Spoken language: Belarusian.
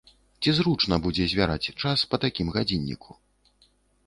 Ці зручна будзе звяраць час па такім гадзінніку?